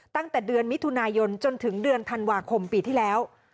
ตั้งแต่เดือนมิถุนายนจนถึงเดือนธันวาคมปีที่แล้ว